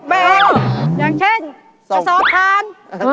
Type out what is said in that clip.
แบงเช่นผสมทาน